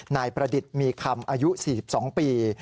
นายประดิษฐ์มีคำอายุ๔๒ปี